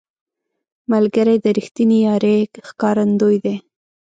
ملګری د رښتینې یارۍ ښکارندوی دی